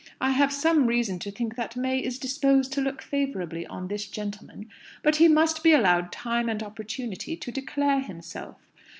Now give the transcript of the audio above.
I have some reason to think that May is disposed to look favourably on this gentleman; but he must be allowed time and opportunity to declare himself.